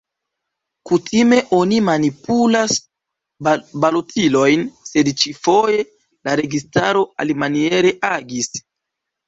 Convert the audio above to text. Kutime oni manipulas balotilojn sed ĉi-foje la registaro alimaniere agis.